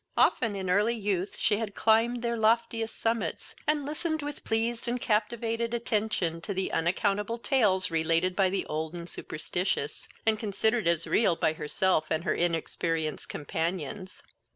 Often in early youth had she climbed their loftiest summits, and listened with pleased and captivated attention to the unaccountable tales related by the old and superstitious, and considered as real by herself and her inexperienced companions.